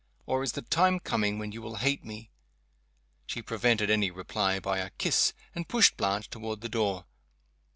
"Or is the time coming when you will hate me?" She prevented any reply by a kiss and pushed Blanche toward the door.